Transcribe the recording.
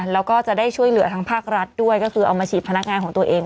แล้วก็จะได้ช่วยเหลือทางภาครัฐด้วยก็คือเอามาฉีดพนักงานของตัวเอง